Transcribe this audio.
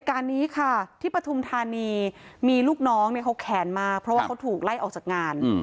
การนี้ค่ะที่ปฐุมธานีมีลูกน้องเนี่ยเขาแค้นมากเพราะว่าเขาถูกไล่ออกจากงาน